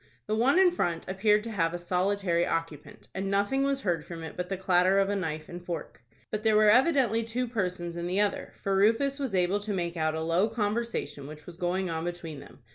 The one in front appeared to have a solitary occupant, and nothing was heard from it but the clatter of a knife and fork. But there were evidently two persons in the other, for Rufus was able to make out a low conversation which was going on between them.